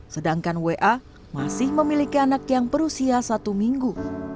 sedangkan wa masih memiliki anak yang berusia satu minggu